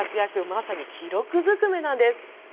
まさに記録ずくめなんです。